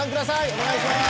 お願いします